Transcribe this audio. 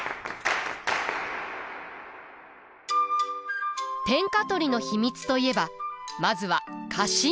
天下取りの秘密といえばまずは家臣団。